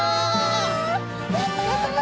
やったね！